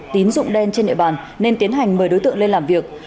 tín dụng đen trên địa bàn nên tiến hành mời đối tượng lên làm việc